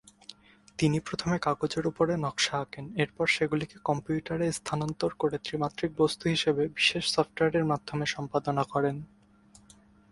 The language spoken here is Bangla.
তিনি প্রথমে কাগজের উপরে নকশা আঁকেন, এরপর সেগুলিকে কম্পিউটারে স্থানান্তর করে ত্রিমাত্রিক বস্তু হিসেবে বিশেষ সফটওয়্যারের মাধ্যমে সম্পাদনা করেন।